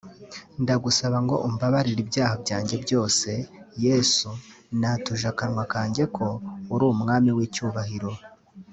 ndagusaba ngo umbabarire ibyaha byajye byose; Yesu natuje akanwa kanjye ko uri umwami w’icyubahiro